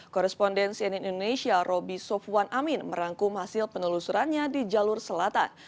korespondensi nn indonesia roby sofwan amin merangkum hasil penelusurannya di jalur selatan